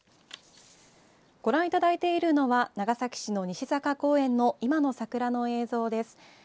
ご覧いただいているのは長崎市の西坂公園の今の桜の映像です。